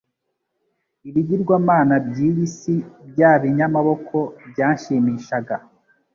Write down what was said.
Ibigirwamana by’iyi si bya binyamaboko byanshimishaga